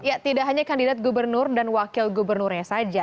ya tidak hanya kandidat gubernur dan wakil gubernurnya saja